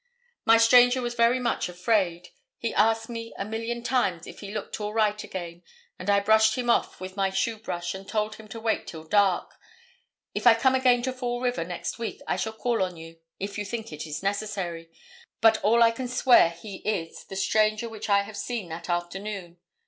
My stranger was very much afraid. He asked me a million times if he looked all right again, and I brushed him off with my shoe brush and told him to wait till dark. If I come again to Fall River next week I shall call on you, if you think it is necessary, but all I can swear he is the stranger which I have seen that afternoon.